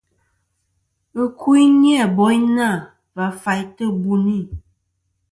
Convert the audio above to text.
Ɨkuyn ni-a boyna va faytɨ buni.